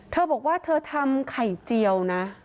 เธอบอกว่าเธอทำไข่เจียวนะ